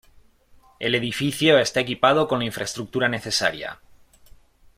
El edificio está equipado con la infraestructura necesaria.